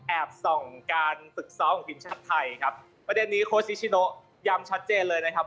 แอบส่องการตึกซ้อของกินชัดไทยครับประเด็นนี้โคชนิชโชน์ย่ำชัดเจนเลยนะครับ